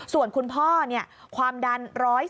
ส่วนคุณพ่อความดัน๑๔๐